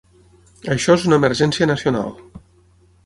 Això és una emergència nacional.